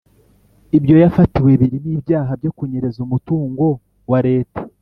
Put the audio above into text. Ibyo yafatiwe birimo ibyaha byo kunyereza umutungo wa Leta.